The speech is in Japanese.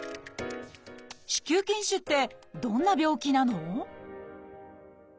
「子宮筋腫」ってどんな病気なの？